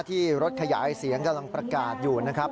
รถขยายเสียงกำลังประกาศอยู่นะครับ